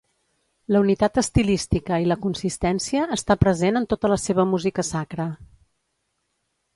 La unitat estilística i la consistència està present en tota la seva música sacra.